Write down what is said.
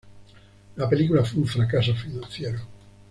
La película fue un fracaso financiero.